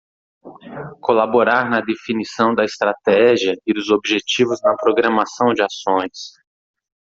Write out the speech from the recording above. Colaborar na definição da estratégia e dos objetivos na programação de ações.